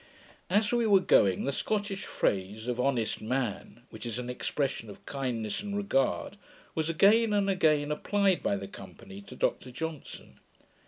As we were going, the Scottish phrase of 'honest man!' which is an expression of kindness and regard, was again and again applied by the company to Dr Johnson.